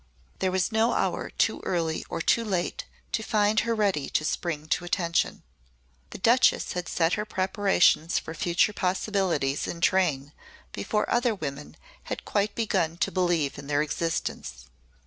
There was no hour too early or too late to find her ready to spring to attention. The Duchess had set her preparations for future possibilities in train before other women had quite begun to believe in their existence.